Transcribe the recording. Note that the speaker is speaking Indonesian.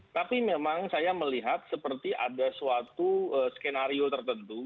tapi memang saya melihat seperti ada suatu skenario tertentu